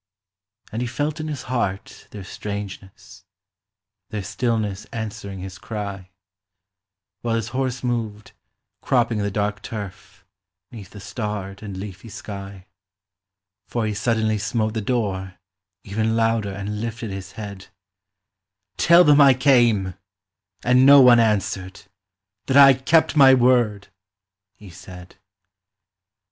And he felt in his heart their strangeness, Their stillness answering his cry, While his horse moved, cropping the dark turf, 'Neath the starred and leafy sky; For he suddenly smote the door, even Louder, and lifted his head: "Tell them I came, and no one answered, That I kept my word," he said.